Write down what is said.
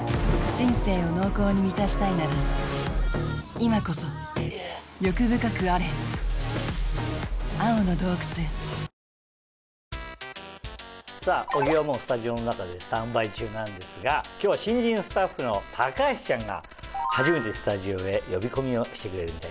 今日はニキビがさぁ小木はもうスタジオの中でスタンバイ中なんですが今日は新人スタッフの橋ちゃんが初めてスタジオで呼び込みをしてくれるみたいです。